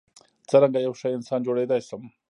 څرنګه یو ښه انسان جوړیدای شم.